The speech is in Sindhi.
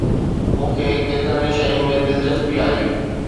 مون کي ڪيترن ئي شين ۾ دلچسپي آهي